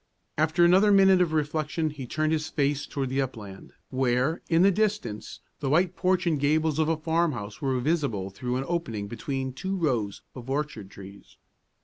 After another minute of reflection he turned his face toward the upland, where, in the distance, the white porch and gables of a farmhouse were visible through an opening between two rows of orchard trees.